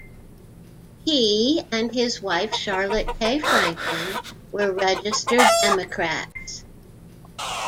He and his wife Charlotte K. Franklyn were registered Democrats.